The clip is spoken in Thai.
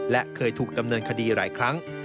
และเคยถูกดำเนินคดีหลายครั้ง